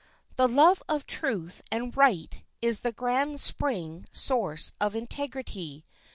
The love of truth and right is the grand spring source of integrity.